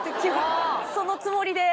そのつもりで。